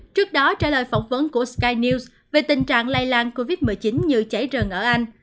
trước đó trả lời phỏng vấn của sky news về tình trạng lây lan covid một mươi chín như cháy rừng ở anh